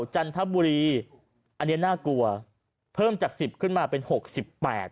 จันทบุรีอันเนี้ยน่ากลัวเพิ่มจากสิบขึ้นมาเป็นหกสิบแปด